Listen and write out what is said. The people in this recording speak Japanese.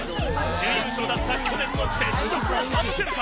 準優勝だった去年の雪辱を果たせるか。